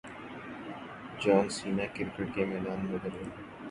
جان Cena cricket کے میدان میں اتر گئے